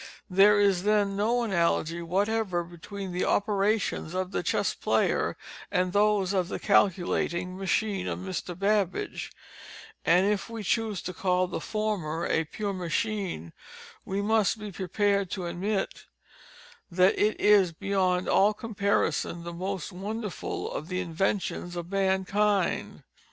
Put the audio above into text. There is then no analogy whatever between the operations of the Chess Player, and those of the calculating machine of Mr. Babbage, and if we choose to call the former a _pure machine _we must be prepared to admit that it is, beyond all comparison, the most wonderful of the inventions of mankind.